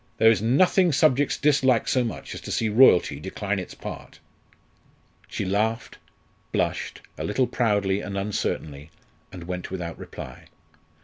There is nothing subjects dislike so much as to see royalty decline its part." She laughed, blushed, a little proudly and uncertainly, and went without reply.